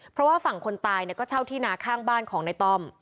เพราะว่าฝั่งคนตายก็เช่าที่นาข้างบ้านของนายต้อม